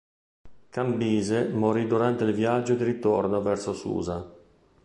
Cambise morì durante il viaggio di ritorno verso Susa.